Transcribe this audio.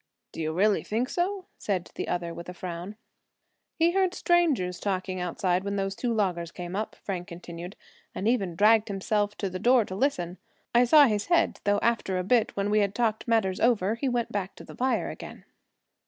"Do you really think so?" said the other, with a frown. "He heard strangers talking outside when those two loggers came up," Frank continued, "and even dragged himself to the door to listen. I saw his head, though after a bit, when we had talked matters over, he went back to the fire again."